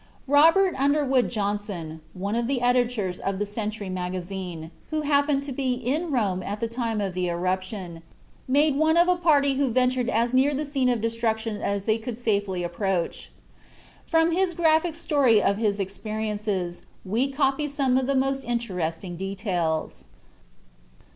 Robert Underwood Johnson, one of the editors of the "Century Magazine", who happened to be in Rome at the time of the eruption, made one of a party who ventured as near the scene of destruction as they could safely approach. From his graphic story of his experiences we copy some of the most interesting details.